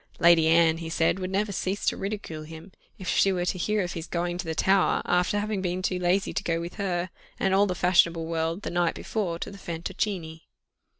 Lady Anne, he said, would never cease to ridicule him, if she were to hear of his going to the Tower, after having been too lazy to go with her, and all the fashionable world, the night before, to the Fantoccini.